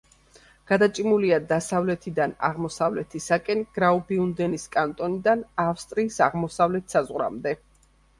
გადაჭიმულია დასავლეთიდან აღმოსავლეთისაკენ გრაუბიუნდენის კანტონიდან ავსტრიის აღმოსავლეთ საზღვრამდე.